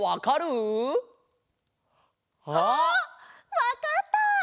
わかった！